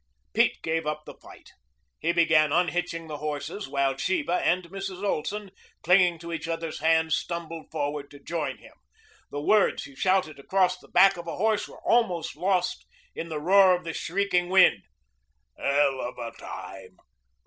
Pete gave up the fight. He began unhitching the horses, while Sheba and Mrs. Olson, clinging to each other's hands, stumbled forward to join him. The words he shouted across the back of a horse were almost lost in the roar of the shrieking wind. "... heluvatime